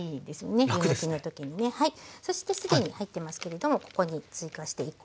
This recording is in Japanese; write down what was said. そして既に入ってますけれどもここに追加して１コ入れます。